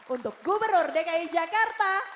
untuk gubernur dki jakarta